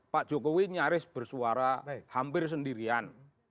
pak jokowi nyaris bersuara hampir sendirian